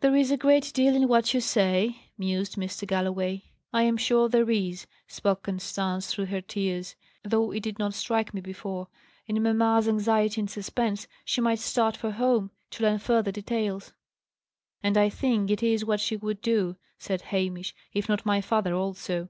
"There is a great deal in what you say," mused Mr. Galloway. "I am sure there is," spoke Constance through her tears, "though it did not strike me before. In mamma's anxiety and suspense, she might start for home, to learn further details." "And I think it is what she would do," said Hamish: "if not my father also.